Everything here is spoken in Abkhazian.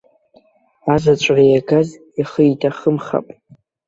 Азаҵәра иагаз ихы иҭахымхап.